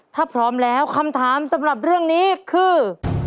ถ้าพร้อมแล้วคำถามสำหรับเรื่องนี้คือ